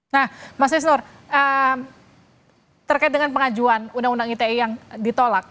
nah mas isnur terkait dengan pengajuan undang undang ite yang ditolak